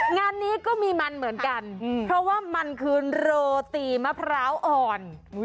งานนี้ก็มีมันเหมือนกันเพราะว่ามันคือโรตีมะพร้าวอ่อน